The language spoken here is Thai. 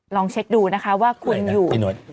ลองเช็คดูนะคะว่าคุณอยู่